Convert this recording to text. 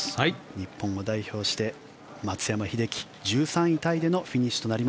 日本を代表して松山英樹１３位タイでのフィニッシュ。